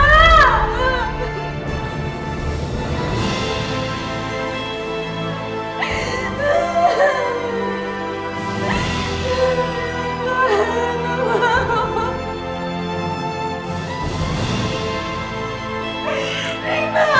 jangan tinggal di burst nino